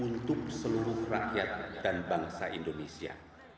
untuk seluruh rakyat dan bangsa indonesia